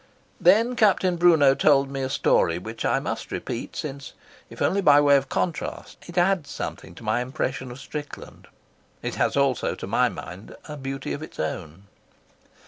Then Captain Brunot told me a story which I must repeat, since, if only by way of contrast, it adds something to my impression of Strickland. It has also to my mind a beauty of its own.